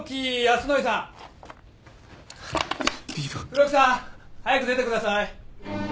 黒木さん。早く出てください。